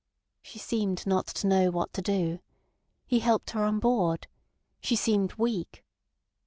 She seemed not to know what to do. He helped her on board. She seemed weak."